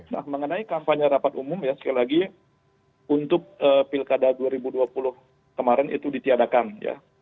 nah mengenai kampanye rapat umum ya sekali lagi untuk pilkada dua ribu dua puluh kemarin itu ditiadakan ya